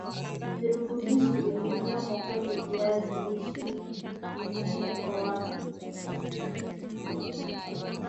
virutubishi vilivyomo kwenye viazi lishe ni muhimu kwa watu